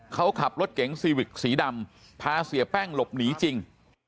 เขาขับรถเก๋งซีวิกสีดำพาเสียแป้งหลบหนีจริง